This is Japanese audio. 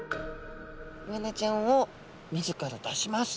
イワナちゃんを水から出します。